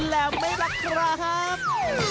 แล้วไหมล่ะครับ